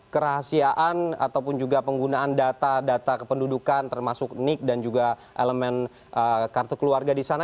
kerahasiaan ataupun juga penggunaan data data kependudukan termasuk nik dan juga elemen kartu keluarga di sana